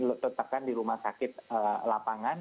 ini kita letakkan di rumah sakit lapangan